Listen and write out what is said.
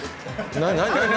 何？